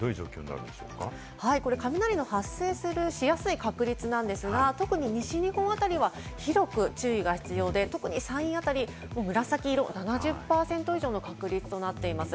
これ雷の発生しやすい確率なんですが、特に西日本辺りは広く注意が必要で特に山陰あたり、紫色、７０％以上の確率となっています。